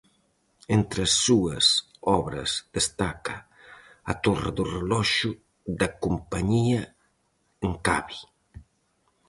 Entre as súas obras destaca a torre do reloxo da Compañía en Cabe.